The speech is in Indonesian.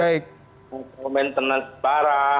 pengelolaan peralatan barang